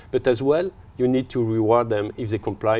bạn muốn biết bạn phải làm gì